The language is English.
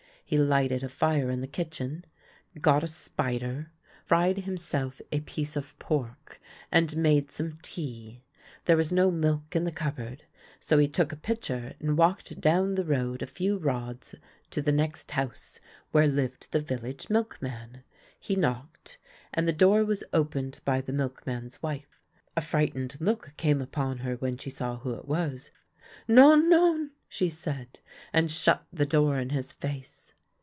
He lighted a fire in the kitchen, got a " spider," fried himself a piece of pork, and made some tea. There was no milk in the cupboard, so he took a pitcher and walked down the road a few rods to the next house, where lived the village milkman. He knocked, and the door was opened by the milkman's wife. A frightened look came upon her when she saw who it was. " Non, non" she said, and shut the door in his face.